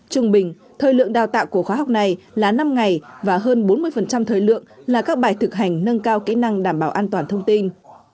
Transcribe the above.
trung bình thời lượng đào tạo của khóa học này là năm ngày và hơn bốn mươi thời lượng là các bài thực hành nâng cao kỹ năng đảm bảo an toàn thông tin